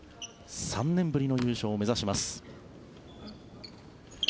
３年ぶりの優勝を目指します。